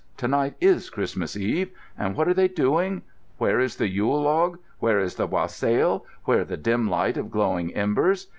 To night is Christmas Eve. And what are they doing? Where is the Yule log? Where is the wassail? Where the dim light of glowing embers?